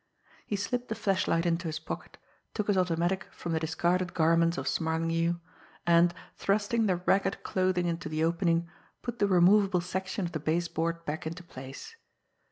He slipped the flashlight into his pocket, took his automatic from the discarded garments of Smarlinghue and, thrusting the ragged clothing into the opening, put the removable section of the base board back into place.